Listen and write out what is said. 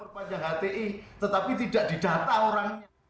perpanjang hti tetapi tidak didata orangnya